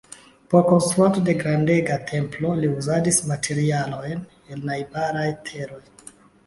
Por konstruado de grandega templo li uzadis materialojn el najbaraj teroj.